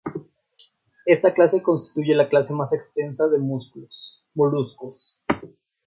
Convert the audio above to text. Esta clase constituye la clase más extensa de moluscos.